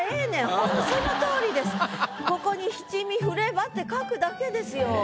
ほんとここに「七味振れば」って書くだけですよ。